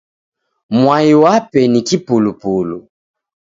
Mwai wape ni kipulupulu.